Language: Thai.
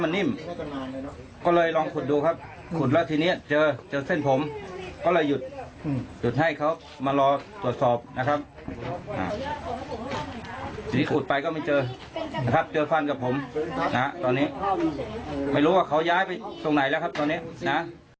ไม่รู้ว่าเขาย้ายไปตรงไหนแล้วครับตอนนี้นะ